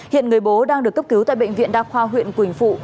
hiện người bố đang được cấp cứu tại bệnh viện đa khoa huyện quỳnh phụ